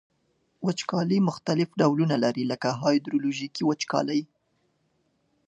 وچکالي مختلف ډولونه لري لکه هایدرولوژیکي وچکالي.